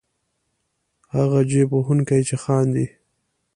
هغه جېب وهونکی چې خاندي.